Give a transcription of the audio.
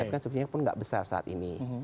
tapi kan subsidi pun enggak besar saat ini